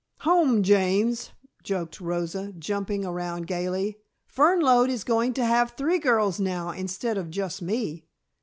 "Home, James!" joked Rosa, jumping around gayly. "Fernlode is going to have three girls now instead of just me."